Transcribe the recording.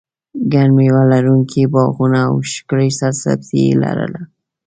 ګڼ مېوه لرونکي باغونه او ښکلې سرسبزي یې لرله.